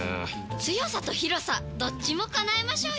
強さと広さどっちも叶えましょうよ！